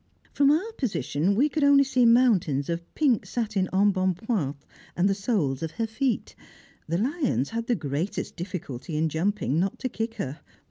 From our position we could only see mountains of pink satin embonpoint, and the soles of her feet. The lions had the greatest difficulty in jumping not to kick her.